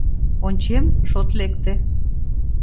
Ончем — шот лекте!